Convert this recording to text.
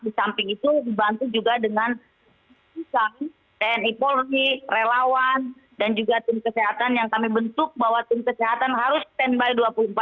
di samping itu dibantu juga dengan tni polri relawan dan juga tim kesehatan yang kami bentuk bahwa tim kesehatan harus standby dua puluh empat jam